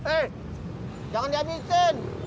eh jangan dihabisin